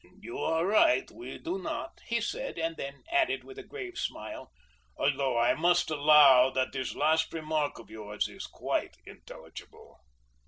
"You are right, we do not," he said; and then added with a grave smile, "although I must allow that this last remark of yours is quite intelligible."